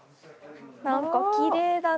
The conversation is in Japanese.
なんかきれいだな。